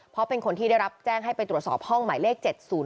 เพราะเป็นคนที่ได้รับแจ้งให้ไปตรวจสอบห้องหมายเลข๗๐